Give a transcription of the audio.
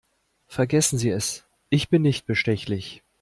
Vergessen Sie es, ich bin nicht bestechlich.